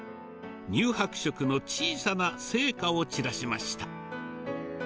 乳白色の小さな生花を散らしました。